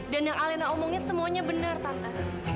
dan yang alena omongin semuanya benar tante